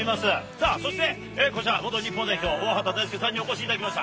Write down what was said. さあ、そしてこちら、元日本代表、大畑大介さんにお越しいただきました。